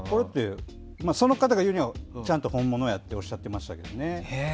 その方が言うにはちゃんと本物やとおっしゃっていましたけどね。